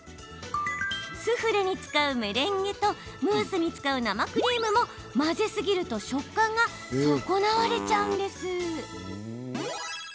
スフレに使うメレンゲとムースに使う生クリームも混ぜすぎると食感が損なわれてしまいます。